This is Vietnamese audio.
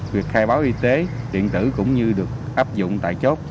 việc khai báo y tế điện tử cũng như được áp dụng tại chốt